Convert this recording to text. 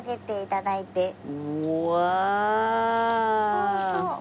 そうそう。